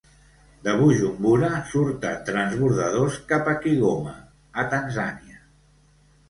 De Bujumbura surten transbordadors cap a Kigoma, a Tanzània.